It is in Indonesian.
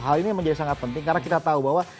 hal ini menjadi sangat penting karena kita tahu bahwa